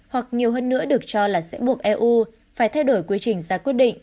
hoặc nhiều hơn nữa được cho là sẽ buộc eu phải thay đổi quy trình ra quyết định